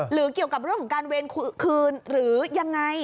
หรือเกี่ยวกับเรื่องของการเวรคืนหรือยังไง